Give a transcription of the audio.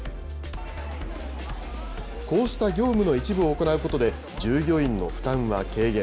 こうした業務の一部を行うことで、従業員の負担は軽減。